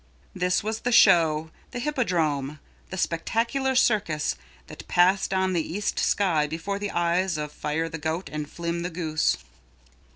This was the show, the hippodrome, the spectacular circus that passed on the east sky before the eyes of Fire the Goat and Flim the Goose.